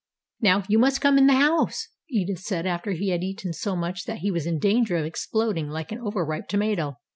"Now you must come in the house," Edith said after he had eaten so much that he was in danger of exploding like an over ripe tomato.